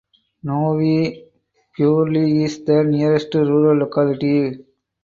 Novye Burly is the nearest rural locality.